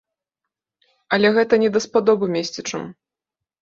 Але гэта не даспадобы месцічам.